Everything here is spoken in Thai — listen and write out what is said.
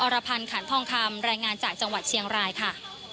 รพันธ์ขันทองคำรายงานจากจังหวัดเชียงรายค่ะ